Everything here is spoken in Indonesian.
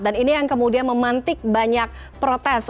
dan ini yang kemudian memantik banyak protes